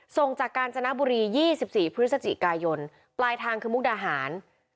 ส่งจากกาญจนบุรี๒๔พฤศจิกายนปลายทางคือมุกดาหาร